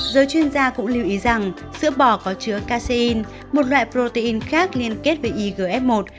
giới chuyên gia cũng lưu ý rằng sữa bò có chứa casein một loại protein khác liên kết với igf một